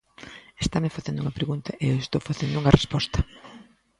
Estame facendo unha pregunta e eu estou facendo unha resposta.